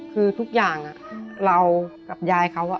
คือทุกอย่างเรากับยายเขา